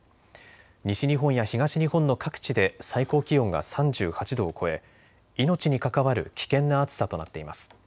西日本や東日本の各地で最高気温が３８度を超え、命に関わる危険な暑さとなっています。